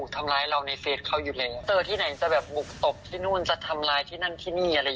จริงตรงว่ามันช็อกนะคะ